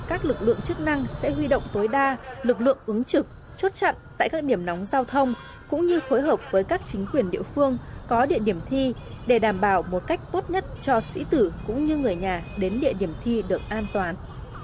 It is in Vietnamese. các lực lượng chức năng sẽ huy động tối đa lực lượng ứng trực chốt chặn tại các điểm nóng giao thông cũng như phối hợp với các chính quyền địa phương có địa điểm thi để đảm bảo một cách tốt nhất cho sĩ tử cũng như người nhà đến địa điểm thi được an toàn